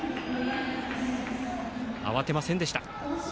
慌てませんでした。